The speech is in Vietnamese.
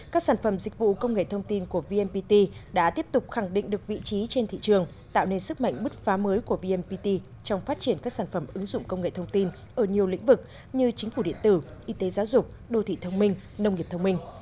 các sản phẩm dịch vụ công nghệ thông tin của vmpt đã tiếp tục khẳng định được vị trí trên thị trường tạo nên sức mạnh bứt phá mới của vnpt trong phát triển các sản phẩm ứng dụng công nghệ thông tin ở nhiều lĩnh vực như chính phủ điện tử y tế giáo dục đô thị thông minh nông nghiệp thông minh